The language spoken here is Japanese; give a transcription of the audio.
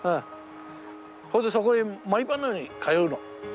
でそこへ毎晩のように通うの。